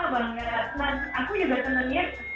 setiap hari hari ini banyak pribadi